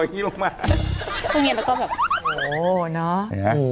โหเนาะ